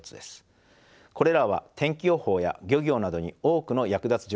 これらは天気予報や漁業などに多くの役立つ情報を提供しております。